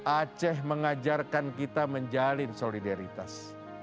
aceh mengajarkan kita menjalin solidaritas